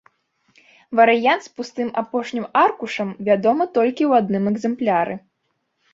Варыянт з пустым апошнім аркушам вядомы толькі ў адным экзэмпляры.